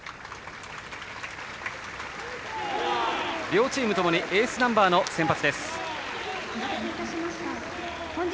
両チームともにエースナンバーの先発です。